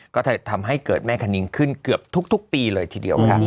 ก็จะทำให้เกิดแม่คณิงขึ้นเกือบทุกปีเลยทีเดียวค่ะ